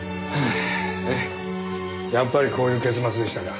やっぱりこういう結末でしたか。